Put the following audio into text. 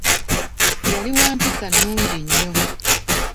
Yali wa mpisa nnungi nnyo.